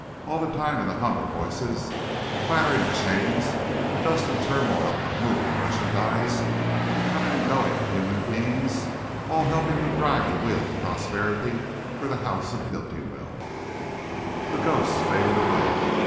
All the time the hum of voices, the clattering of chains, the dust and turmoil of moving merchandise, the coming and going of human beings, all helping to drive the wheel of prosperity for the House of Bultiwell!... The ghosts faded away.